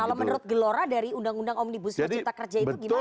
kalau menurut gelora dari undang undang omnibus law cipta kerja itu gimana